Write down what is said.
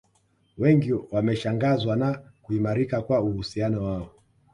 Wengi wameshangazwa na kuimarika kwa uhusiano wao